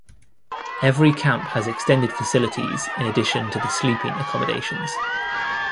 Every camp has extended facilities in addition to the sleeping accommodations.